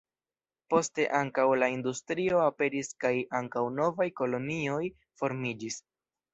Poste ankaŭ la industrio aperis kaj ankaŭ novaj kolonioj formiĝis.